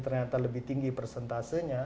ternyata lebih tinggi persentasenya